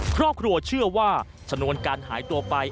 ครอบครัวเชื่อว่าชนวนการหายตัวไป